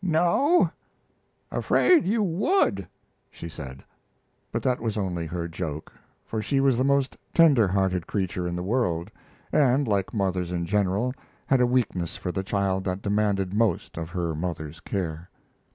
"No; afraid you would," she said. But that was only her joke, for she was the most tenderhearted creature in the world, and, like mothers in general, had a weakness for the child that demanded most of her mother's care.